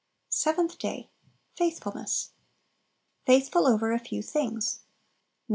Seventh Day. Faithfulness. "Faithful over a few things." Matt.